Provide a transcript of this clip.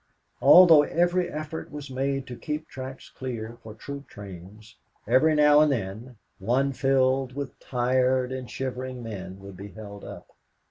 Although every effort was made to keep tracks clear for troop trains, every now and then, one filled with tired and shivering men would be held up.